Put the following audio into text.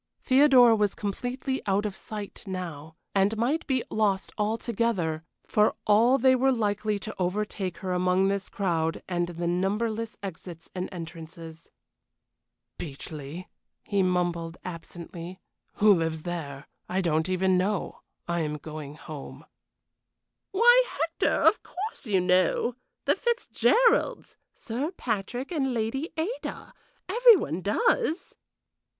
Theodora was completely out of sight now, and might be lost altogether, for all they were likely to overtake her among this crowd and the numberless exits and entrances. "Beechleigh!" he mumbled, absently. "Who lives there? I don't even know. I am going home." "Why, Hector, of course you know! The Fitzgeralds Sir Patrick and Lady Ada. Every one does."